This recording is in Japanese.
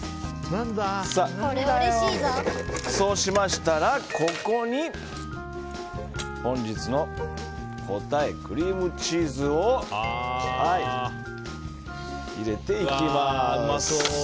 そうしましたら、ここに本日の答え、クリームチーズを入れていきます。